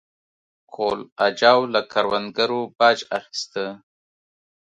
کهول اجاو له کروندګرو باج اخیسته.